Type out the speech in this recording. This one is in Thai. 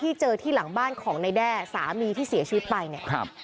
เจอที่หลังบ้านของนายแด้สามีที่เสียชีวิตไปเนี่ยครับ